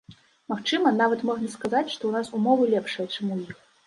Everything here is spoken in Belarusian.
Магчыма, нават можна сказаць, што ў нас умовы лепшыя, чым у іх.